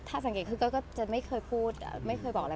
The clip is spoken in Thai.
ถ้าสังเกตคือก็จะไม่เคยพูดไม่เคยบอกอะไร